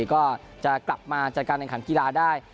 ก็จะกลับมาจัดการแข่งขันกีฬาได้